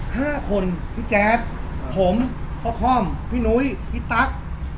ห้าคนพี่แจ๊ดผมพ่อค่อมพี่นุ้ยพี่ตั๊ก